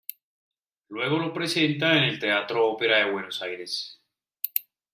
Luego lo presenta en el Teatro Ópera de Buenos Aires.